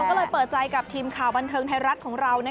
ก็เลยเปิดใจกับทีมข่าวบันเทิงไทยรัฐของเรา